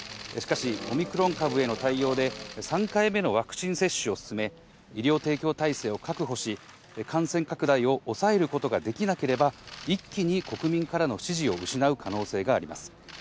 しかし、オミクロン株への対応で３回目のワクチン接種を進め、医療提供体制を確保し、感染拡大を抑えることができなければ、一気に国民からの支持を失う可能性があります。